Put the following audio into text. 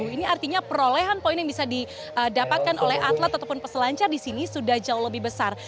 ini artinya perolehan poin yang bisa didapatkan oleh atlet ataupun peselancar di sini sudah jauh lebih besar